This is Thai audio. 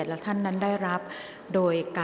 กรรมการท่านที่สี่ได้แก่กรรมการใหม่เลขเก้า